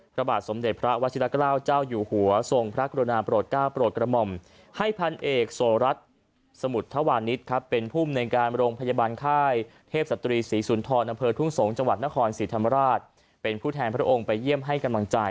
พระบาทสมเด็จพระวชิละเกล้าเจ้าอยู่หัวทรงพระกรุณาโปรดก้าวโปรดกระหม่อมให้พันเอกโสรัสสมุทรวานิสครับเป็นภูมิในการโรงพยาบาลค่ายเทพศตรีศรีสุนทรอำเภอทุ่งสงศ์จังหวัดนครศรีธรรมราชเป็นผู้แทนพระองค์ไปเยี่ยมให้กำลังใจ